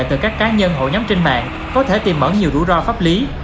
trên mạng có thể tìm mở nhiều rủi ro pháp lý